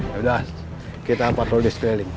yaudah kita hampa roadies keliling